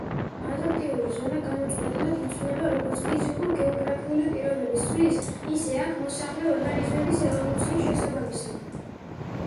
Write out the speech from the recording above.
ადაპტიური ზონა განუწყვეტლად იცვლება როგორც ფიზიკურ-გეოგრაფიული პირობების ცვლის, ისე აქ მოსახლე ორგანიზმების ევოლუციის შესაბამისად.